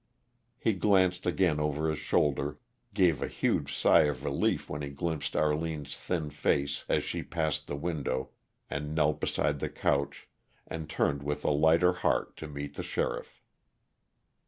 He glanced again over his shoulder, gave a huge sigh of relief when he glimpsed Arline's thin face as she passed the window and knelt beside the couch, and turned with a lighter heart to meet the sheriff.